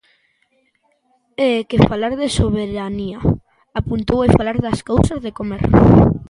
E é que falar de soberanía, apuntou, é falar das cousas de comer.